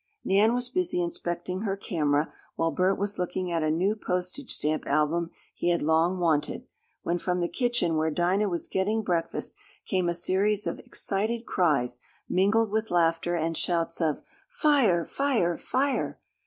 Nan was busy inspecting her camera, while Bert was looking at a new postage stamp album he had long wanted, when from the kitchen where Dinah was getting breakfast came a series of excited cries, mingled with laughter and shouts of: "Fire! Fire! Fire!"